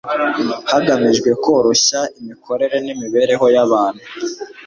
hagamijwe koroshya imikorere n'imibereho y'abantu